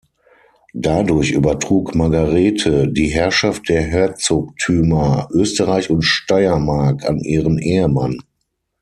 Dadurch übertrug Margarete die Herrschaft der Herzogtümer Österreich und Steiermark an ihren Ehemann.